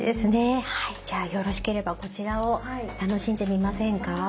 じゃあよろしければこちらを楽しんでみませんか？